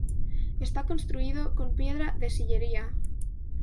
Está construido con piedra de sillería.